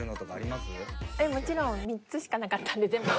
もちろん３つしかなかったので全部覚えてます。